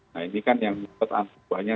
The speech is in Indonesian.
nah ini kan yang menurut anak buahnya